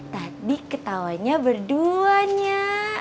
tadi ketawanya berduanya